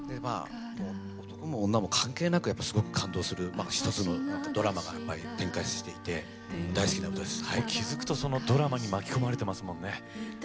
男も女も関係なくすごく感動するドラマが展開していて気がつくとそのドラマに巻き込まれていますね。